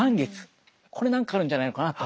これ何かあるんじゃないのかなと。